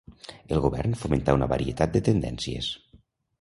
El govern fomentà una varietat de tendències.